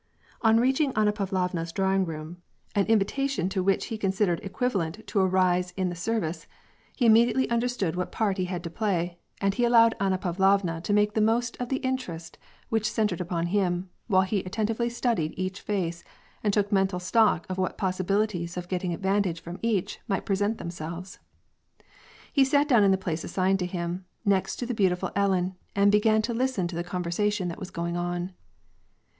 On reaching Anna Pavlovna's drawing room, an invitation to which he considered equivalent to a rise in the service, be WAR AND PEACE. 91 immediately understood what part he had to play, and he al lowed Anna Pavlovna to make the most of the interest which centred upon him, while he attentively studied each face and took mental stock of what possibilities of getting advantage from each might present themselves. He sat down in the place assigned to him, next the beautiful Ellen, and began to listen to the conversation that was going on.